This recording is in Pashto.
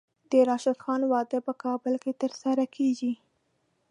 د راشد خان واده په کابل کې ترسره کیږي.